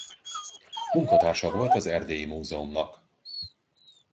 Munkatársa volt az Erdélyi Múzeumnak.